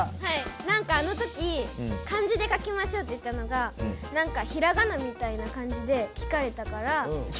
なんかあのとき漢字で書きましょうって言ったのがなんかひらがなみたいな感じで聞かれたから。